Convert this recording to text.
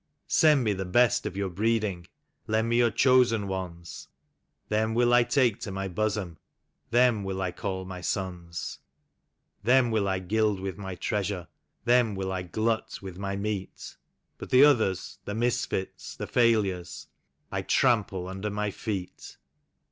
Send me the best of your breeding, lend me your chosen ones; Them will I take to my bosom, them will I call my sons; 5 6 TIJE LAW OF THE YIKOX. Them will I gild with my treasure, them will I glut with my meat; But the others — the misfits, the failures — I trample under my feet.